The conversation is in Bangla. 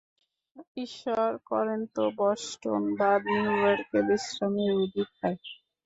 ঈশ্বর করেন তো বষ্টন বা নিউ ইয়র্কে বিশ্রামের অভিপ্রায়।